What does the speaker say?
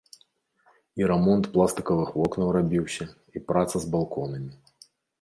І рамонт пластыкавых вокнаў рабіўся, і праца з балконамі.